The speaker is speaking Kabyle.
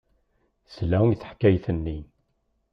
Tesla i teḥkayt-nni.